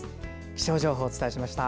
気象情報をお伝えしました。